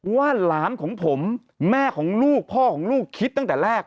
ว่าหลานของผมแม่ของลูกพ่อของลูกคิดตั้งแต่แรก